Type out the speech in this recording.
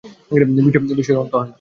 বিস্ময়ের অন্ত হয় না।